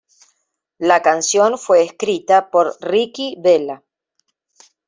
La canción fue escrita por Ricky Vela.